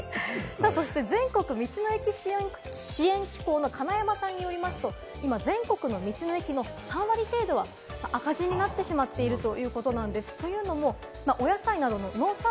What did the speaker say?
さぁそして全国道の駅支援機構・金山さんによりますと、今、全国の道の駅の３割程度が赤字になってしまっているというんです。